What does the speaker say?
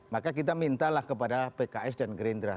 maka kita mintalah kepada pks dan gerindra